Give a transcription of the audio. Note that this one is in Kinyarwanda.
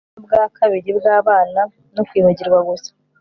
nubwa kabiri bwabana no kwibagirwa gusa